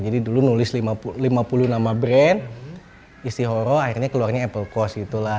jadi dulu nulis lima puluh nama brand istihoro akhirnya keluarnya apple cost itulah